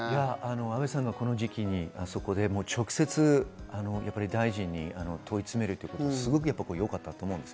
阿部さんがこの時期にあそこで直接、大臣に問い詰めるということはすごく良かったと思います。